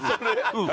うん。